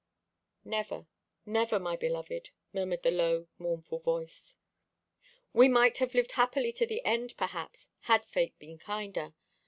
"Never; never, my beloved," murmured the low mournful voice. "We might have lived happily to the end, perhaps, had Fate been kinder.